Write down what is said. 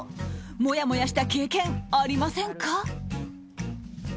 もやもやした経験ありませんか？